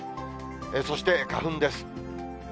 そして、花粉です。